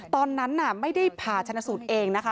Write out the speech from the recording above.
ตอนนั้นไม่ได้ผ่าชนะสูตรเองนะคะ